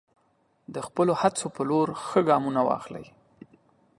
د خپلو هڅو په لور ښه ګامونه واخلئ.